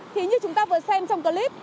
thì như chúng ta vừa xem trong clip